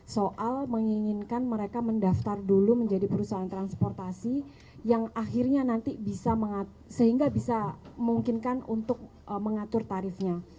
soal menginginkan mereka mendaftar dulu menjadi perusahaan transportasi yang akhirnya nanti bisa memungkinkan untuk mengatur tarifnya